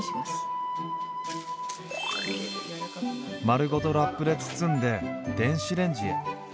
丸ごとラップで包んで電子レンジへ。